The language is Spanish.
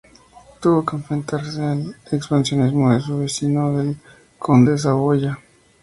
Tuvo que enfrentarse al expansionismo de su vecino el conde de Saboya.